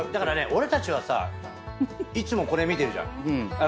俺たちはさいつもこれ見てるじゃん。